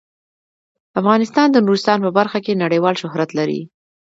افغانستان د نورستان په برخه کې نړیوال شهرت لري.